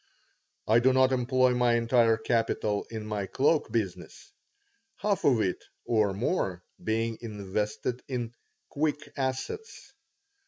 I do not employ my entire capital in my cloak business, half of it, or more, being invested in "quick assets."